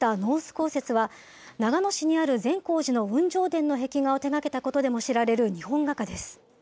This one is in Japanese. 香雪は長野市にある善光寺の雲上殿の壁画を手がけたことでも知られる日本画家です。